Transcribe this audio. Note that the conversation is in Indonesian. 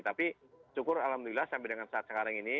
tapi syukur alhamdulillah sampai dengan saat sekarang ini